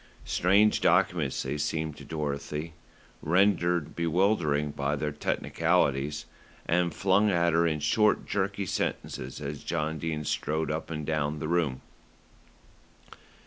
Strange documents they seemed to Dorothy, rendered bewildering by their technicalities, and flung at her in short, jerky sentences as John Dene strode up and down the room.